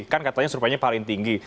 kan katanya surveinya paling tinggi